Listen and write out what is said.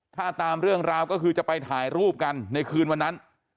ถ้าตามเรื่องราวก็คือจะไปถ่ายรูปกันในคืนวันนั้น